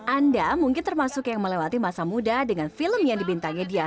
anda mungkin termasuk yang melewati masa muda dengan film yang dibintangi dia